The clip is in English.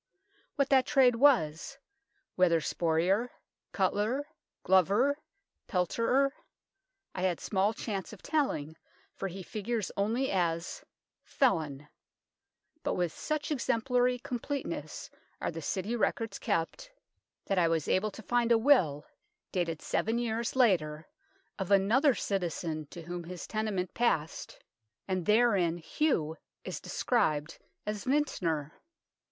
What that trade was whether sporier, cutler, glover, pelterer I had small chance of telling, for he figures only as " felon "; but with such ex emplary completeness are the City records kept 940 A LONDON HOUSEHOLD 24! that I was able to find a will, dated seven years later, of another citizen to whom his tenement passed, and therein Hugh is described as vintner.